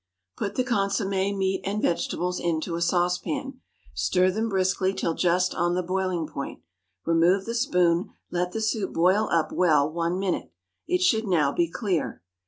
Put the consommé, meat, and vegetables into a saucepan. Stir them briskly till just on the boiling point. Remove the spoon, let the soup boil up well one minute. It should now be clear.